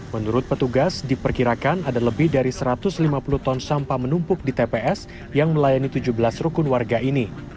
menurut petugas diperkirakan ada lebih dari satu ratus lima puluh ton sampah menumpuk di tps yang melayani tujuh belas rukun warga ini